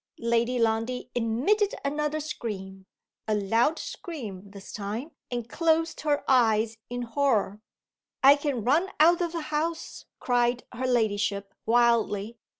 Lady Lundie emitted another scream a loud scream this time and closed her eyes in horror. "I can run out of the house," cried her ladyship, wildly.